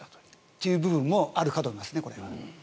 という部分もあるかと思います。